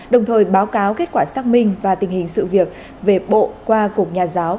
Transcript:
đồng thời báo cáo kết quả xác minh và tình hình sự việc về bộ qua cục nhà giáo